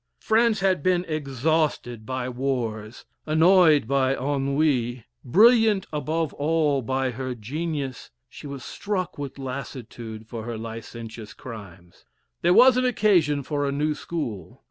France had been exhausted by wars, annoyed by ennui, brilliant above all by her genius, she was struck with lassitude for her licentious crimes. There was an occasion for a new school.